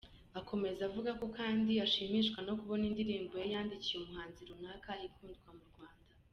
Akomeza avuga ko kandi ashimishwa no kubona indirimbo yandikiye umuhanzi runaka ikundwa mu Rwanda.